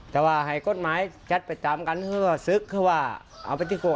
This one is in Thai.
ถ้าว่าให้กฎหมายชัดไปตามกันเพื่อซื้อเพราะว่าเอาไปที่โคก